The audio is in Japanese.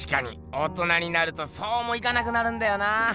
オトナになるとそうもいかなくなるんだよな。